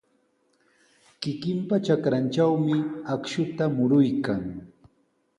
Kikinpa trakrantrawmi akshuta muruykan.